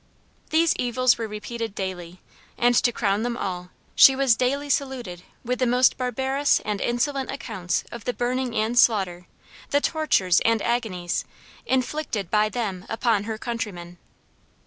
These evils were repeated daily; and, to crown them all, she was daily saluted with the most barbarous and insolent accounts of the burning and slaughter, the tortures and agonies, inflicted by them upon her countrymen.